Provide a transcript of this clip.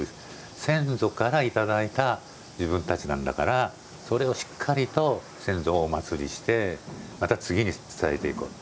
先祖からいただいた自分たちなんだからそれをしっかりと先祖をおまつりしてまた次に伝えていこうと。